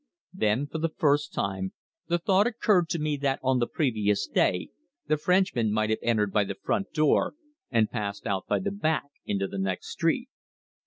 Then, for the first time, the thought occurred to me that on the previous day the Frenchman might have entered by the front door and passed out by the back into the next street!